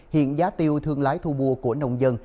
hiện giá tiêu thương lái thu mua của nông dân